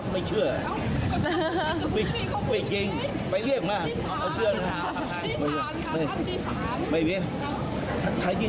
ไปไหนก็ไป